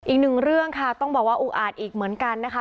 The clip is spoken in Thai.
อีกหนึ่งเรื่องค่ะต้องบอกว่าอุกอาจอีกเหมือนกันนะคะ